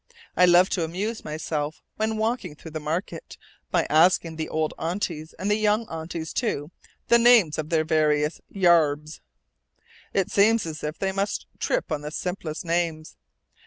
I love to amuse myself, when walking through the market, by asking the old aunties, and the young aunties, too, the names of their various "yarbs." It seems as if they must trip on the simplest names.